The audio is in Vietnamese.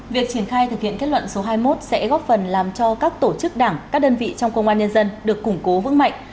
việc triển khai thực hiện kết luận số hai mươi một sẽ góp phần làm cho các tổ chức đảng các đơn vị trong công an nhân dân được củng cố vững mạnh